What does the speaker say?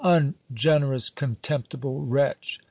"Ungenerous, contemptible wretch!"